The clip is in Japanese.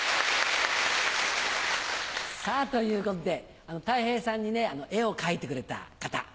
さぁということでたい平さんに絵を描いてくれた方